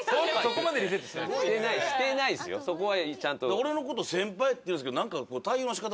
俺のこと先輩って言うんですけど。